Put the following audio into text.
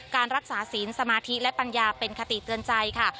การรักษาศีลสมาธิและปัญญาเป็นคติเตือนใจค่ะ